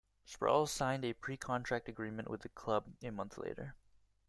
Sproule signed a pre-contract agreement with the club a month later.